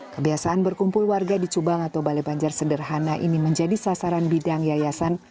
kebiasaan berkumpul warga di cubang atau balai banjar sederhana ini menjadi sasaran bidang yayasan